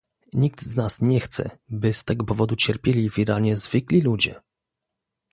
Nikt z nas nie chce, by z tego powodu cierpieli w Iranie zwykli ludzie